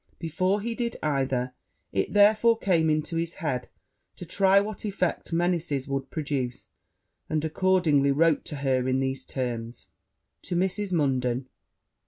Before he did either, it therefore came into his head to try what effect menaces would produce; and accordingly wrote to her in these terms. 'To Mrs. Munden.